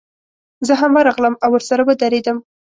زه هم ورغلم او ورسره ودرېدم.